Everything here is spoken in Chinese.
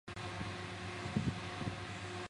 并担任民族和宗教委员会专委。